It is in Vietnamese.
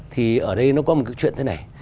thì ở đây nó có một chuyện thế này